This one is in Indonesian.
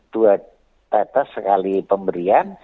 dua tetes sekali pemberian